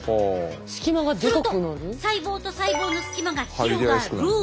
すると細胞と細胞のスキマが広がる。